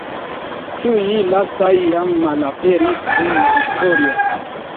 Tiuj lastaj jam malaperis dum la historio.